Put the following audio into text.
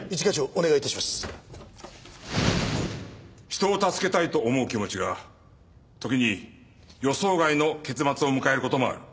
人を助けたいと思う気持ちが時に予想外の結末を迎える事もある。